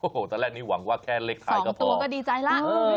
โอ้โหตอนแรกนี้หวังว่าแค่เลขท้ายก็พอก็ดีใจแล้ว